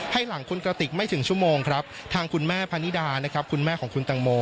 ให้หลังคุณกระติกไม่ถึงชั่วโมงครับทางคุณแม่พนิดานะครับคุณแม่ของคุณตังโม